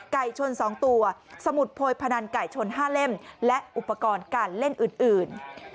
ไก่ชน๒ตัวสมุดโพยพนันไก่ชน๕เล่มและอุปกรณ์การเล่นอื่น